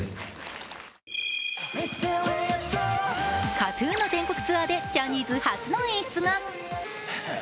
ＫＡＴ−ＴＵＮの全国ツアーでジャニーズ初の演出が。